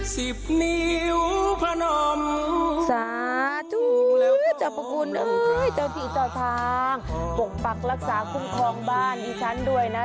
ตั้งกล่อไมค์กล่อวันเว้นวันอย่าให้เจอพายุทธรรมรอบนี้เลยเลย